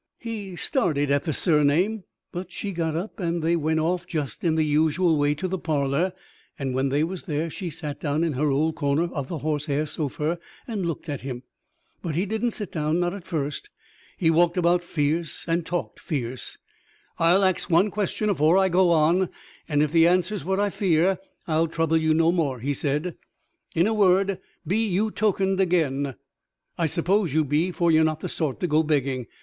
He started at the surname; but she got up, and they went off just in the usual way to the parlor; and when they was there, she sat down in her old corner of the horsehair sofa and looked at him. But he didn't sit down not at first. He walked about fierce and talked fierce. "I'll ax one question afore I go on, and, if the answer's what I fear, I'll trouble you no more," he said. "In a word, be you tokened again? I suppose you be, for you're not the sort to go begging.